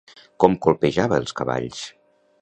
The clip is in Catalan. Com colpejava els cavalls?